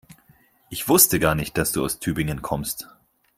Ich wusste gar nicht, dass du aus Tübingen kommst